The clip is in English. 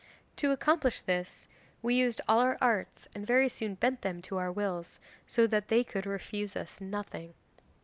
To accomplish this we used all our arts and very soon bent them to our wills, so that they could refuse us nothing.